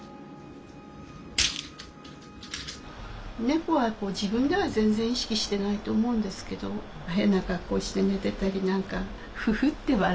猫は自分では全然意識してないと思うんですけど変な格好して寝てたりなんかフフッて笑えるっていうか。